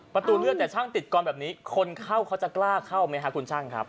ประตูเลือดแต่ช่างติดกรแบบนี้คนเข้าเขาจะกล้าเข้าไหมครับคุณช่างครับ